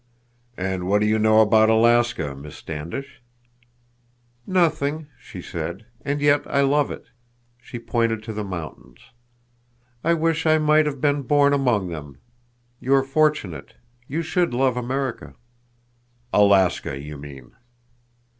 "And what do you know about Alaska, Miss Standish?" "Nothing," she said. "And yet I love it." She pointed to the mountains. "I wish I might have been born among them. You are fortunate. You should love America." "Alaska, you mean!"